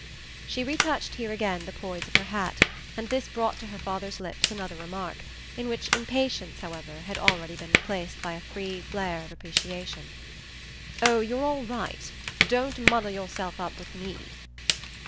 She retouched here again the poise of her hat, and this brought to her father's lips another remark in which impatience, however, had already been replaced by a free flare of appreciation. "Oh you're all right! Don't muddle yourself up with ME!"